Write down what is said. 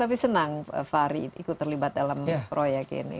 tapi senang fary terlibat dalam proyek ini